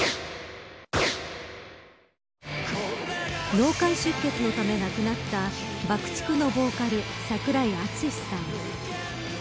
脳幹出血のため亡くなったＢＵＣＫ−ＴＩＣＫのボーカル櫻井敦司さん。